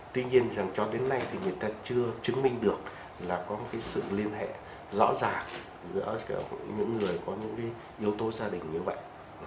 tuy nhiên rằng cho đến nay thì người ta chưa chứng minh được là có một sự liên hệ rõ ràng giữa những người có những yếu tố gia đình như vậy